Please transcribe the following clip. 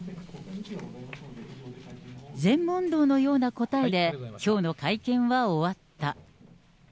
禅問答のような答えで、きょうの会見は終わった。